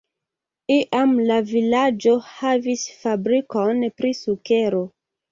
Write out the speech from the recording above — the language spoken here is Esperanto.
Iam la vilaĝo havis fabrikon pri sukero.